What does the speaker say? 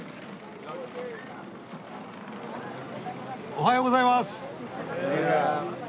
おはようございます。